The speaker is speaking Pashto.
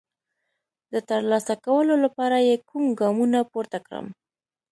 د ترلاسه کولو لپاره یې کوم ګامونه پورته کړم؟